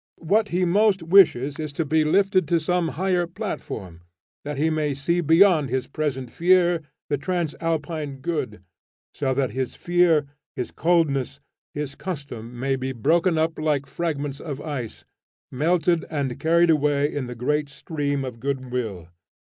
What he most wishes is to be lifted to some higher platform, that he may see beyond his present fear the transalpine good, so that his fear, his coldness, his custom may be broken up like fragments of ice, melted and carried away in the great stream of good will.